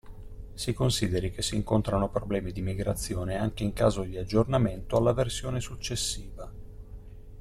Si consideri che si incontrano problemi di migrazione anche in caso di aggiornamento alla versione successiva.